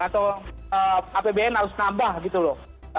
atau apbn harus nambah gitu loh